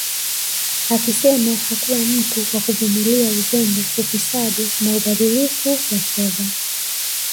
Akisema hakuwa mtu wa kuvimilia uzembe ufisadi na ubadhirifu wa fedha